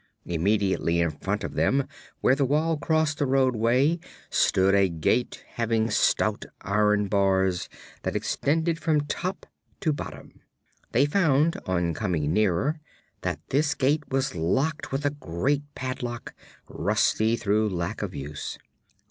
Immediately in front of them, where the wall crossed the roadway, stood a gate having stout iron bars that extended from top to bottom. They found, on coming nearer, that this gate was locked with a great padlock, rusty through lack of use.